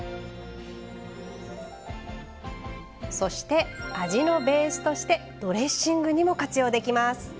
そして味のベースとしてドレッシングにも活用できます。